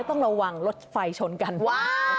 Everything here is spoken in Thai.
ต้องระวังดีนะคะ